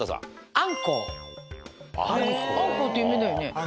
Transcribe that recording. あんこうって有名だよね。